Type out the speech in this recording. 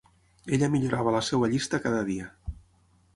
Ella millorava la seva llista cada dia.